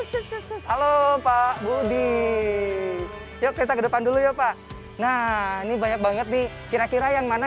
khusus khusus halo pak budi yuk kita ke depan dulu ya pak nah ini banyak banget nih kira kira yang mana